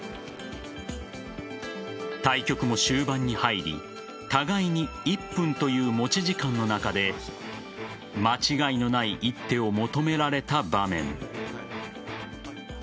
対局も終盤に入り互いに１分という持ち時間の中で間違いのない一手を求められた場面。